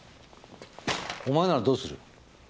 お前ならどうする？